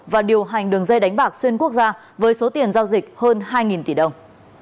và điều hành đường dây đánh bạc xuyên quốc gia với số tiền giao dịch hơn hai tỷ đồng